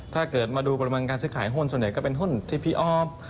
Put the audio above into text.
ถ้าเกิดมาดูปริมาณการซื้อขายหุ้นส่วนใหญ่ก็เป็นหุ้นที่พี่ออฟ